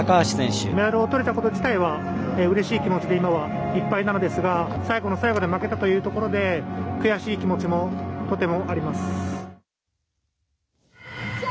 メダルを取れたこと自体はうれしい気持ちで今はいっぱいなのですが最後の最後で負けたというところで悔しい気持ちもとてもあります。